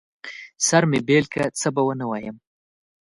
سر مې بېل که، څه به ونه وايم.